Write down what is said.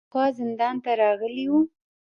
له موږ نه پخوا زندان ته راغلي وو.